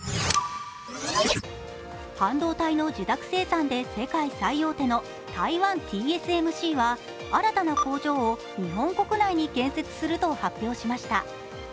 半導体の受託生産で世界最大手の台湾ＴＳＭＣは新たな工場を日本国内に建設すると発表しました。